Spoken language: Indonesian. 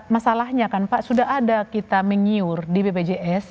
masalahnya kan pak sudah ada kita menyiur di bpjs